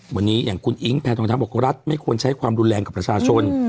วันนี้อย่างคุณอิ๊งแพทองทัพบอกรัฐไม่ควรใช้ความรุนแรงกับประชาชน